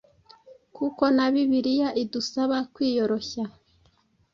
kuko na Bibiriya idusaba kwiyoroshya